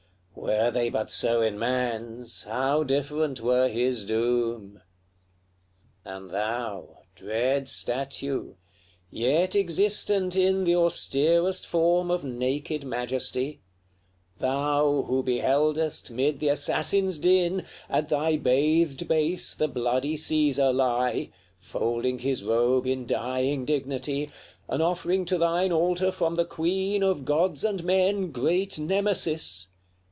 Were they but so in man's, how different were his doom! LXXXVII. And thou, dread statue! yet existent in The austerest form of naked majesty, Thou who beheldest, mid the assassins' din, At thy bathed base the bloody Caesar lie, Folding his robe in dying dignity, An offering to thine altar from the queen Of gods and men, great Nemesis!